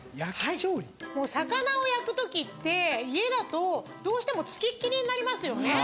魚を焼くときって家だとどうしても付きっきりになりますよね。